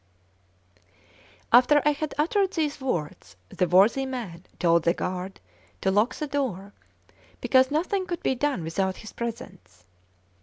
After I had uttered these words, the worthy man told the guard to lock the door, because nothing could be done without his presence.